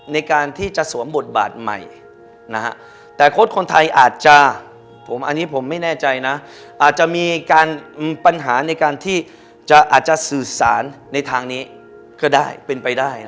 ในการที่จะสวมบทบัตรใหม่แต่โค้ชคนไทยอาจจะอาจจะมีปัญหาในการที่จะสื่อสารในทางนี้ก็ได้เป็นไปได้